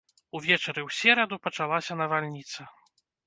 Увечары ў сераду пачалася навальніца.